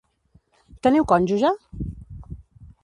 Teniu cònjuge?